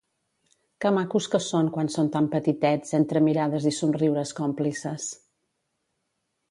Que macos que són quan són tan petitets entre mirades i somriures còmplices.